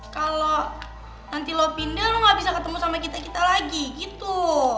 kalau nanti lo pindah lo gak bisa ketemu sama kita kita lagi gitu